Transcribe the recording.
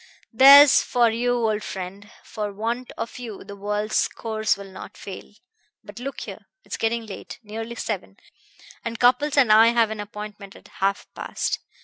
"There's for you, old friend! For want of you the world's course will not fail. But look here! It's getting late nearly seven, and Cupples and I have an appointment at half past.